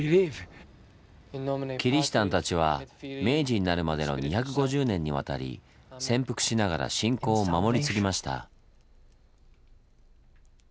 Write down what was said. キリシタンたちは明治になるまでの２５０年にわたり潜伏しながら信仰を守り継ぎました。